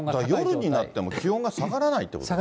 夜になっても気温が下がらないということですか。